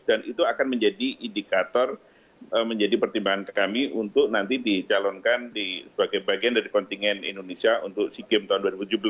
dan itu akan menjadi indikator menjadi pertimbangan kami untuk nanti dicalonkan sebagai bagian dari kontingen indonesia untuk sea games tahun dua ribu tujuh belas